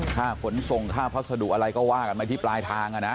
ฆ่าผลทรงฆ่าพัสดุอะไรก็ว่ากันไม่ได้ที่ปลายทางอ่ะนะ